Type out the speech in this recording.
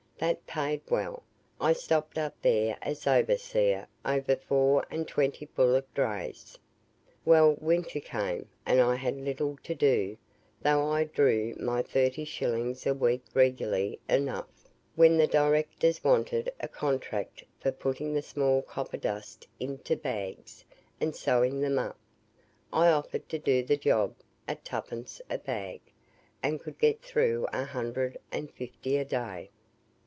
That paid well. I stopped up there as overseer over four and twenty bullock drays. Well, winter came, and I had little to do, though I drew my 30s. a week regularly enough, when the directors wanted a contract for putting the small copper dust into bags, and sewing them up. I offered to do the job at 2d. a bag, and could get through a hundred and fifty a day.